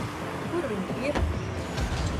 Kur viņi ir?